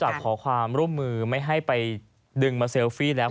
อยากขอความร่วมมือไม่ให้ไปดึงมาเซลฟี่แล้ว